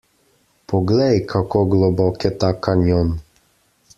Poglej, kako globok je ta kanjon!